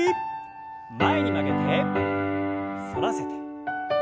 前に曲げて反らせて。